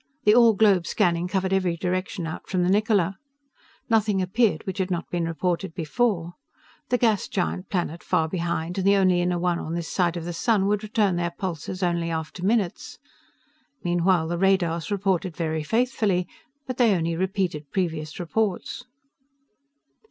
The all globe scanning covered every direction out from the Niccola. Nothing appeared which had not been reported before. The gas giant planet far behind, and the only inner one on this side of the sun, would return their pulses only after minutes. Meanwhile the radars reported very faintfully, but they only repeated previous reports.